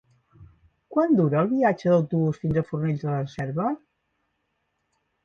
Quant dura el viatge en autobús fins a Fornells de la Selva?